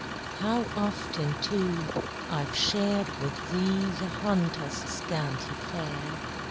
How often, too, I we shared with thee The hunter's scanty fare.